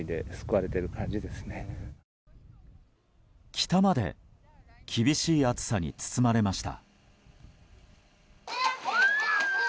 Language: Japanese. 北まで厳しい暑さに包まれました。